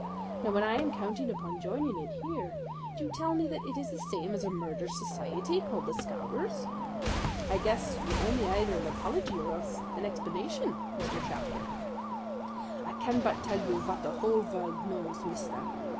Now, when I am counting upon joining it here, you tell me that it is the same as a murder society called the Scowrers. I guess you owe me either an apology or else an explanation, Mr. Shafter." "I can but tell you vat the whole vorld knows, mister.